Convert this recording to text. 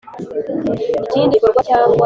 Ikindi gikorwa cyangwa